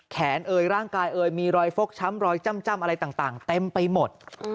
เอยร่างกายเอ่ยมีรอยฟกช้ำรอยจ้ำอะไรต่างเต็มไปหมด